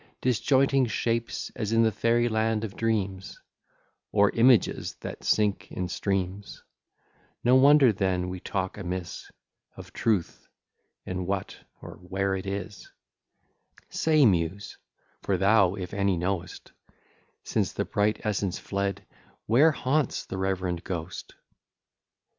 Disjointing shapes as in the fairy land of dreams, Or images that sink in streams; No wonder, then, we talk amiss Of truth, and what, or where it is; Say, Muse, for thou, if any, know'st, Since the bright essence fled, where haunts the reverend ghost?